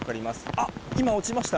あっ、今落ちました。